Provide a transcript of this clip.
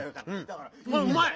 うまい！